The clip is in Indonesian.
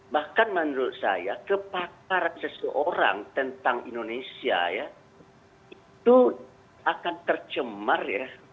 bahkan menurut saya kepakaran seseorang tentang indonesia ya itu akan tercemar ya